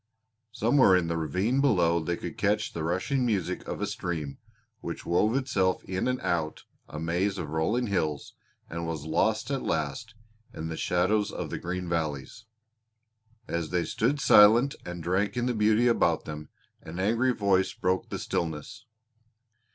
Somewhere in the ravine below they could catch the rushing music of a stream which wove itself in and out a maze of rolling hills and was lost at last in the shadows of the green valleys. As they stood silent and drank in the beauty about them, an angry voice broke the stillness.